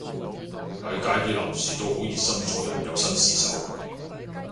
喺街啲男士都好熱心助人又紳士手